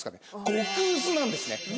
極薄なんですね。